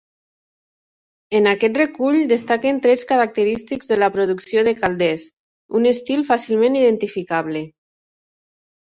En aquest recull destaquen trets característics de la producció de Calders, un estil fàcilment identificable.